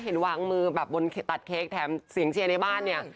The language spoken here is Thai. เห็นวางมือแบบบนตัดเค้กแถมเสียงเชียร์ในบ้านเนี่ย